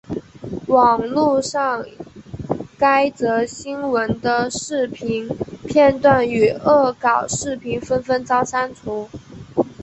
网路上该则新闻的视频片段与恶搞视频纷纷遭删除。